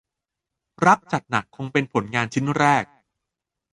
รักจัดหนักคงเป็นผลงานชิ้นแรก